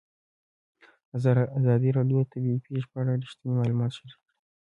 ازادي راډیو د طبیعي پېښې په اړه رښتیني معلومات شریک کړي.